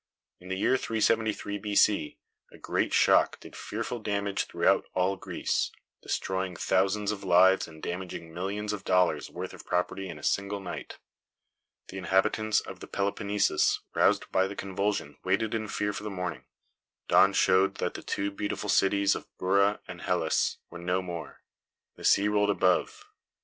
In the year 373 B. C., a great shock did fearful damage throughout all Greece, destroying thousands of lives and damaging millions of dollars worth of property in a single night. The inhabitants of the Peloponnesus, roused by the convulsion, waited in fear for the morning. Dawn showed that the two beautiful cities of Bura and Helice were no more. The sea rolled above.